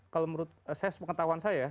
kalau menurut pengetahuan saya